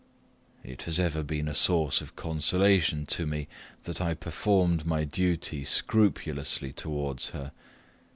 It has ever been a source of consolation to me, that I performed my duty scrupulously towards her.